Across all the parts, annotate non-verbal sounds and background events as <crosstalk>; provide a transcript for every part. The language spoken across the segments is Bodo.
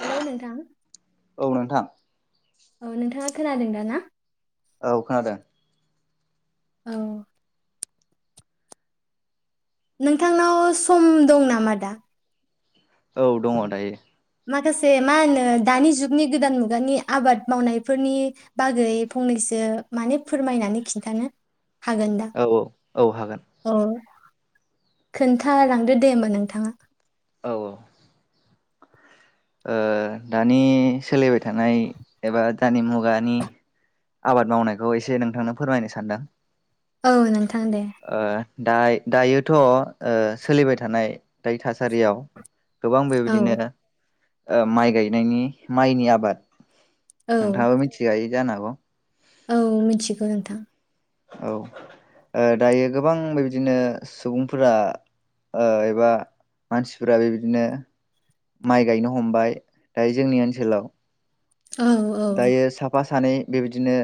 हेलौ नोंथां। औ नोंथां औ नोंथाङा खोनादों दा ना? औ खोनादों। औ नोंथांनाव सम दं नामा दा? औ दङ' दायो। माखासे मा होनो दानि जुगनि गोदान मुगानि आबाद मावनायफोरनि बागै फंनैसो माने फोरमायनानै खिन्थानो हागोन दा औ औ औ हागोन। खोनथालांदो दे होमबा नोंथाङा औ औ ओ दानि सोलिबाय थानाय एबा दानि मुगानि आबाद मावनायखौ एसे नोंथांनो फोरमायनो सानदों। औ नों ओ दा दायोथ' ओ सोलिबाय थानाय दायो थासारियाव गोबां औ बेबायदिनो माइ गायनायनि माइनि आबाद औ नोंथाङाबो मिथिखाय जानोहागौ? औ मिथिगौ नोंथां। औ दायो गोबां बेबदिनो सुबुंफोरा ओ एबा मानसिफोरा बेबदिनो माइ गायनो हमबाय दायो जोंनि ओनसोलाव औ औ दायो साफा सानै बेबायदिनो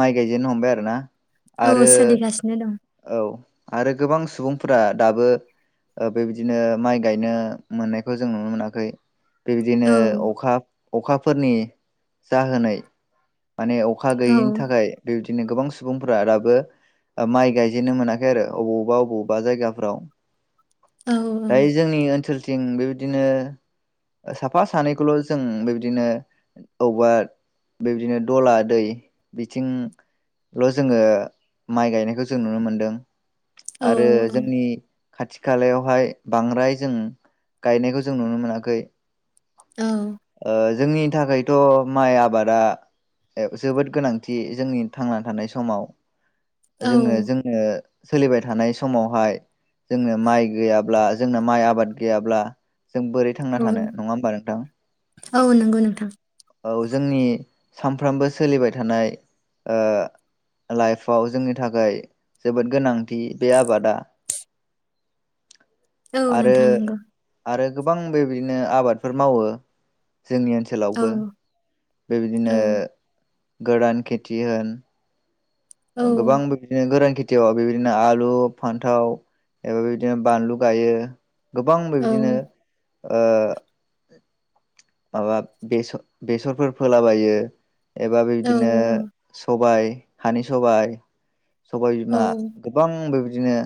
माइ गायजेनो हमबाय आरो ना। औ सोलिगासिनो दं। औ आरो गोबां सुबुंफोरा दाबो ओ बेबायदिनो माइ गायनो मोननायखौ जों नुनो मोनाखै। औ बेबायदिनो अखा अखाफोरनि जाहोनै माने अखा औ गैयैनि थाखाय बेबाय दिनो गोबां सुबुंफोरा दाबो माइ गाय जेननो मोनाखै आरो अबावबा अबावबा जायगाफ्राव। औ दायो जोंनि ओनसोल थिं बेबादिनो साफा सानैखौल' जों बिदिनो औबा बिबादिनो दला दै बिथिंल' जोङो माइ गायनायखौ जों नुनो मोन्दों। औ आरो जोंनि खाथि खालायावहाय बांद्राय जों गायनायखौ जों नुनो मोनाखै। औ। ओ जोंनि थाखायथ' माइ आबादा जोबोद गोनांथि जोंनि थांना थानाय समाव। जोङो औ जोङो सोलिबाय थानाय समावहाय जोंनो माइ गैयाब्ला जोंना माइ आबाद गैयाब्ला जों बोरै थांना औ थानो। नङा होमबा नोंथां? औ नंगौ नोंथां औ जोंनि सानफ्रोमबो सोलिबाय थानाय लाइपआव जोंनि थाखाय जोबोद गोनांथि बे आबादा। औ आरो नोंथां नंगौ आरो गोबां बेबायदिनो आबादफोर मावो जोंनि औ ओनसोलावबो। बेबायदिनो औ गोदान खेथि होन औ ओ गोबां बेबिदिनो गोरान खेथियाव बेबिदिनो आलु, फान्थाव एबा बेबिदिनो बानलु गायो। गोबां औ बेबिदिनो ओ माबा बेस-बेसरफोर फोलाबायो। एबा औ बेबिदिनो सबाय हानि सबाय, सबाय औ बिमा गोबां बेबि दिनो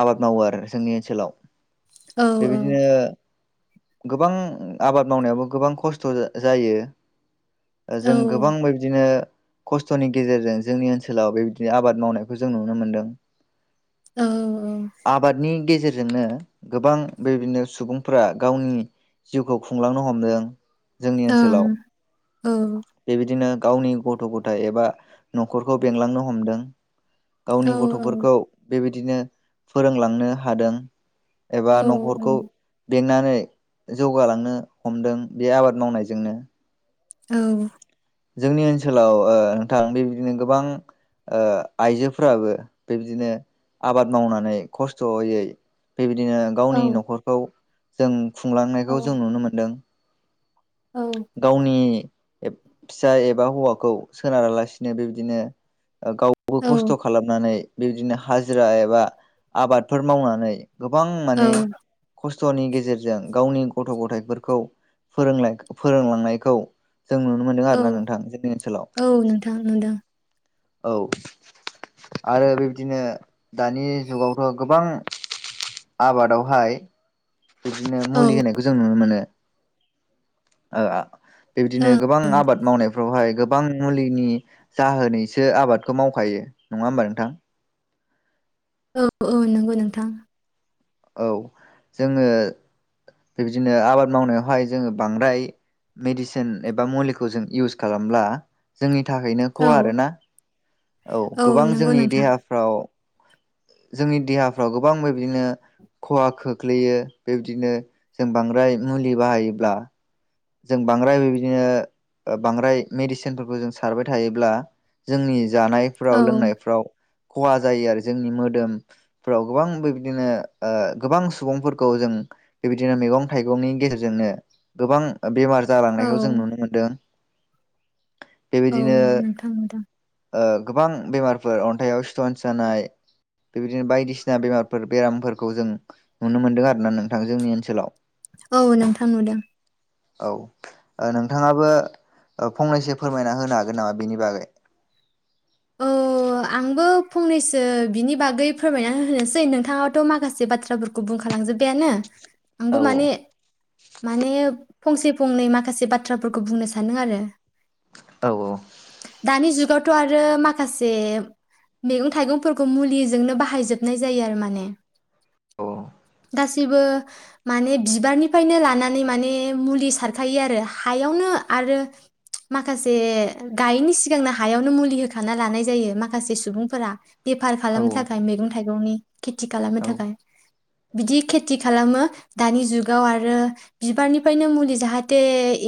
आबाद मावो आरो जोंनि ओनसोलाव। औ बेबिदिनो गोबां आबाद मावनायावबो गोबां खस्थ' जा-जायो। औ जों गोबां बिबदिनो खस्थ'नि गेजेरजों जोंनि ओनसोलाव बेबादिनो आबाद मावनायखौ जों नुनो मोनदों। औ आबादनि गेजेर जोंनो गोबां बेबिदिनो सुबुंफोरा गावनि जिउखौ खुंलांनो हमदों। जोंनि ओनसोलाव बेबादिनो गावनि गथ' गथाइ एबा न'खरखौ बेंलांनो हमदों। गावनि गथ'फोरखौ बेबा- दिनो फोरोंलांनो हादों। एबा न'खरखौ बेंना नै जौगालांनो हमदों बे आबाद मावनायजोंनो। औ जोंनि ओनसोलाव ओ नोंथां बेबादिनो गोबां ओ आइजोफ्राबो बेबदिनो आबाद मावनानै खस्थ'यै बेबदिनो गावनि न'खरखौ जों औ खुंलांनायखौ जों नुनो मोन्दों। गावनि फिसा एबा हौवाखौ सोनारालासिनो बिबदिनो ओ गावबो खस्थ' खालामनानै बिबदिनो हाजिरा एबा आबादफोर मावनानै गोबां माने खस थनि गेजेरजों गावनि गथ' गथाइफोरखौ फोरों फोरोंलांनायखौ जों नुनो मोन्दों आरोना औ नोंथां जोंनि ओनसोलाव। औ नोंथां नुदों औ आरो बिबदिनो दानि जुगावथ' गोबां आबादावहाय बिदिनो औ मुलि होनायखौ जों नुनो मोनो। बिबदिनो औ गोबां आबाद मावनायफ्रावहाय गोबां मुलिनि जाहोनैसो आबादखौ मावखायो नङा होमबा नोंथां? औ औ नंगौ नोंथां। औ जोङो बिबदिनो आबाद मावनायावहाय जोङो बांद्राय मेडिसिन एबा मुलिखौ जों इउस खालामब्ला जोंनि थाखायनो औ खहा आरो ना औ गोबां नंगौ जोंनि नोंथां देहाफ्राव जोंनि देहाफ्राव गोबां बिबायदिनो खहा खोख्लैयो बिबदिनो जों बांद्राय मुलि बाहायोब्ला जों बांद्राय बेबायदिनो ओ बांद्राय मेडिसिनफोरखौ जों सारबाय थायोब्ला जोंनि औ जानायफ्राव लोंनायफ्राव खहा जायो आरो जोंनि मोदोमफ्राव गोबां बेबायदिनो ओ गोबां सुबुंफोरखौ जों बेबायदिनो मैगं थाइगंनि गेजेरजोंनो गोबां बेमार औ जालांनायखौ जों नुनो मोनदों। औ बेबायदिनो नोंथां नुदों ओ गोबां बेमारफोर अन्थाइयाव स्टनस जानाय बेबायदिनो बायदिसिना बेमारफोर बेरामफोरखौ जों नुनो मोनदों आरोना नोंथां जोंनि ओनसोलाव औ नोंथां नुदों औ ओ नोंथाङाबो ओ फंनैसो फोरमायना होनो हागोन नामा बेनि बागै औ आंबो फंनैसो बिनि बागै फोरमायना होनोसै नोंथाङाथ' माखासे बाथ्राफोरखौ बुंखालांजोबबायानो औ आंबो माने माने फंसे फंनै माखासे बाथ्राफोरखौ बुंनो सानदों आरो औ औ दानि जुगावथ' आरो आरो माखासे मैगं थाइगंफोरखौ मुलिजोंनो बाहाय जोबनाय जायो आरो माने औ गासैबो माने बिबारनिफ्रायनो लानानै माने मुलि सारखायो आरो हायावनो आरो माखासे गायैनि सिगांनो हायावनो मुलि हो होखाना लानाय जायो माखासे सुबुंफोरा बेफार औ खालामनो थाखाय मैगं थाइगंनि खेथि खालामनो औ थाखाय बिदि खेथि खालामो दानि जुगाव आरो बिबारनिफ्रायनो मुलि जाहाथे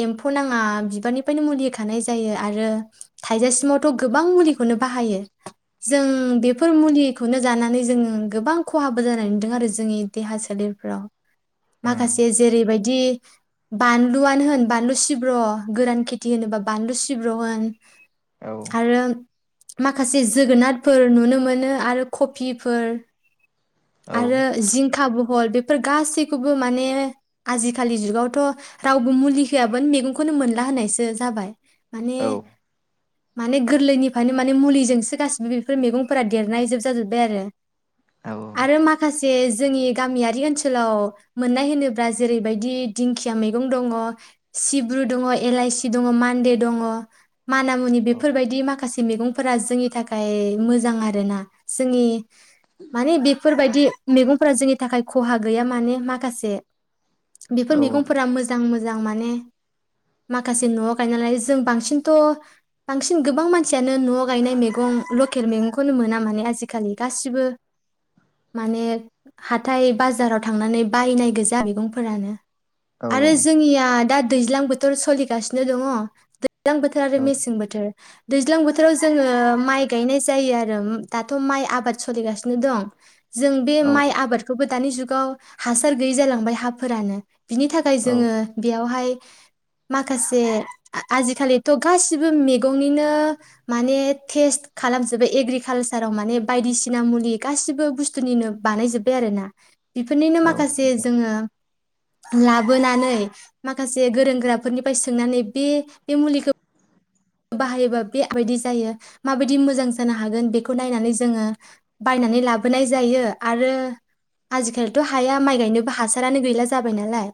एम्फौ नाङा बिबारनिफ्रायनो मुलि होखानाय जायो आरो थाइजासिमावथ' गोबां मुलिखौनो बाहायो जों बेफोर मुलिखौनो जानानै जोङो गोबां खहाबो जानाय नुदों आरो जोंनि देहा सोलेरफ्राव माखासे जेरैबायदि बानलुआनो होन बानलु सिब्र' गोरान खेथि होनोबा बानलु सिब्र' होन औ आरो माखासे जोगोनारफोर नुनो मोनो आरो कफिफोर औ आरो जिंखाबु हल बेफोर गासैखौबो माने आजिखालि जुगावथ' रावबो मुलि होयाबोनो मैगंखौनो मोनला होननायसो जाबाय माने माने गोरलैनिफ्रायनो माने मुलिजोंसो गासिबो बेफोर मैगंफोरा देरनायजोब जाजोबबाय आरो आरो माखासे जोंनि गामियारि ओनसोलाव मोननाय होनोब्ला जेरैबादि दिंखिया मैगं दङ सिब्रु दङ एलाइसि दङ मान्दे दङ माना मुनि बेफोरबायदि माखासे मैगंफोरा जोंनि थाखाय मोजां आरोना जोंनि माने बे बेफोरबायदि मैगंफोरा जोंनि थाखाय खहा गैया माने माखासे बेफोर मैगंफोरा मोजां मोजां मोजां माने माखासे न'आव गायनायलाय जों बांसिनथ' बांसिन गोबां मानसियानो न'आव गायनाय मैगं लकेल मैगंखौनो मोना माने आजिखालि गासिबो माने हाथाय बाजाराव थांनानै बायनाय गोजा मैगंफोरानो आरो जोंनिया दा दैज्लां बोथोर सोलिगासिनो दङ दैज्लां बोथोर आरो मेसें बोथोर दैज्लां बोथोराव जोङो माइ गायनाय जायो आरो दाथ' माइ आबाद सोलिगासिनो दं जों बे औ माइ औ नंगौ आबादखौबो दानि जुगाव हासार गैयि जालांबाय हाफोरानो बिनि थाखाय जोङो बेयावहाय माखासे आजिखालिथ' गासिबो मैगंनिनो माने टेस्ट खालामजोबो एग्रिकालसाराव माने बायदिसिना मुलि गासि बो बुस्थुनिनो बानायजोब्बाय आरोना बेफोरनिनो माखासे जोङो लाबोनानै माखासे गोरों गोराफोरनिफ्राय सोंनानै बे बे मुलिखौ बाहायोबा बेाबायदि जायो माबायदि मोजां जानो हागोन बेखौ नायनानै जोङो बायनानै लाबोनाय जायो आरो आजिखालिथ' हाया माइ गायनोबो हासारानो गैला जाबाय नालाय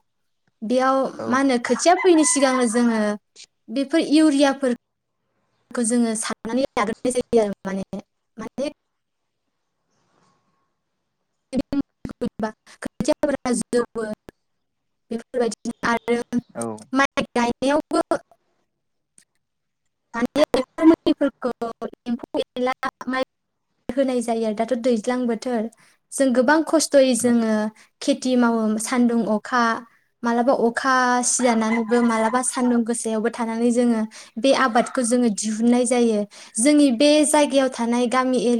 बेयाव औ मा होनो खोथिया फोयिनि सिगांनो जोङो बेफोर इउरियाफोर खौ जोङो सारनानै लाग्रोनाय जायो आरो माने माने <unintelligible> आरो औ <unintelligible> गायनायावबो <unintelligible> एम्फौ एनला <unintelligible> होनाय जायो आरो दाथ' दैज्लां बोथोर जों गोबां खस थ'यै नंगौ जोङो खेथि मावो सान्दुं अखा मालाबा अखा सिजानानैबो मालाबा सान्दुं गोसायावबो थानानै जोङो बे आबादखौ जोङो दिहुननाय जायो जोंनि बे जायगायाव थानाय गामि एरि